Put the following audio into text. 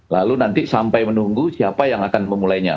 lalu nanti sampai menunggu siapa yang akan memulainya